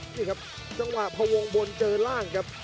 นี่ครับจังหวะพวงบนเจอร่างครับ